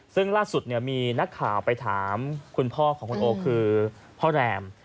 ซึ่งล่าสุดมีนักข่าวไปถามคุณพ่อของคุณโอคือพ่อแรม